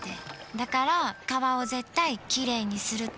だから川を絶対きれいにするって。